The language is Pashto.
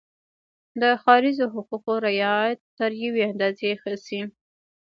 د ښاریزو حقوقو رعایت تر یوې اندازې ښه شي.